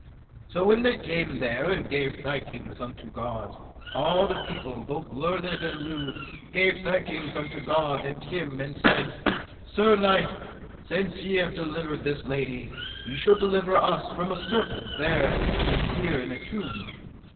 So when they came there and gave thankings to God all the people, both learned and lewd, gave thankings unto God and him, and said: Sir knight, since ye have delivered this lady, ye shall deliver us from a serpent there is here in a tomb.